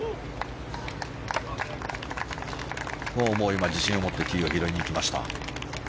今、自信を持ってティーを拾いに行きました。